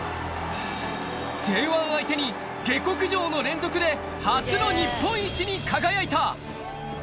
Ｊ１相手に下剋上の連続で、初の日本一に輝いた。